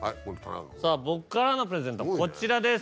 さぁ僕からのプレゼントはこちらです。